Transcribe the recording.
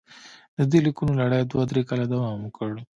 د دې لیکونو لړۍ دوه درې کاله دوام وکړ.